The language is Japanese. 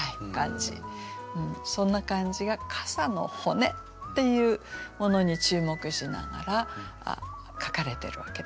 そんな感じが傘の骨っていうものに注目しながら書かれてるわけですね。